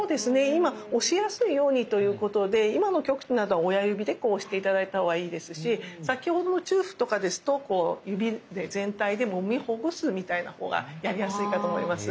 今押しやすいようにということで今の曲池などは親指で押して頂いたほうがいいですし先ほどの中府とかですとこう指で全体でもみほぐすみたいなほうがやりやすいかと思います。